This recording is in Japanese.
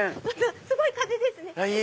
すごい風ですね。